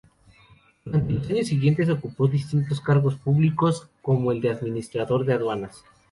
Durante los años siguientes ocupó distintos cargos públicos, como el de administrador de aduanas.